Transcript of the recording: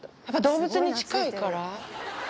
やっぱ動物に近いから。